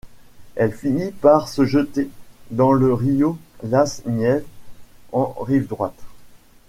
Elle finit par se jeter dans le río Las Nieves en rive droite.